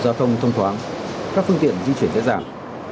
giao thông thông thoáng các phương tiện di chuyển dễ dàng